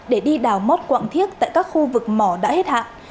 để đi đào mót quạng thiết tại các khu vực mỏ đã hết hạn